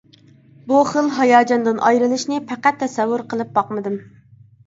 بۇ خىل ھاياجاندىن ئايرىلىشنى پەقەت تەسەۋۋۇر قىلىپ باقمىدىم.